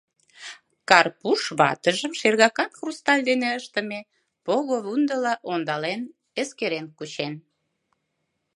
Карпуш ватыжым шергакан хрусталь дене ыштыме пого-вундыла ондален-эскерен кучен.